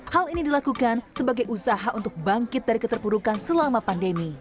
hal ini dilakukan sebagai usaha untuk bangkit dari keterpurukan selama pandemi